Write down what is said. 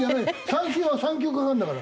三振は３球かかるんだから。